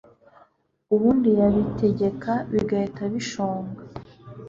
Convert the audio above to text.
ubundi yabitegeka, bigahita bishonga